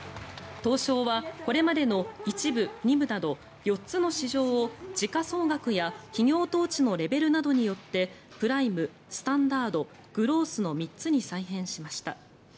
東証はこれまでの１部、２部など４つの市場を時価総額や企業統治のレベルなどによってプライム、スタンダードグロースの３つに再編しました。